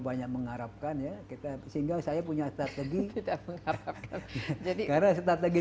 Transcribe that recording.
banyak mengharapkan ya kita sehingga saya punya strategi kita mengharapkan jadi karena strategi